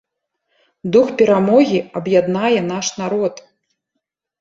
Дух перамогі аб'яднае наш народ!